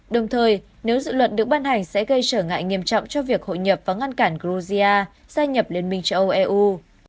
đồng thời nếu dự luật được ban hành sẽ gây trở ngại nghiêm trọng cho việc hội nhập và ngăn cản georgia gia nhập liên minh châu âu eu